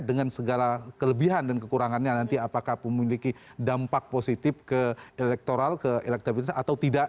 dengan segala kelebihan dan kekurangannya nanti apakah memiliki dampak positif keelektoral keelektabilitas atau tidak